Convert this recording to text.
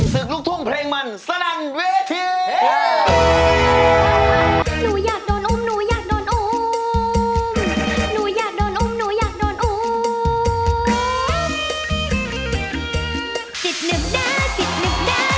ศึกลุกถุงเพลงมันสรรค์เวที